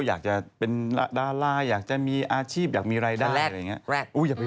ไปประกวดดีกว่าคุณผู้ชมเออ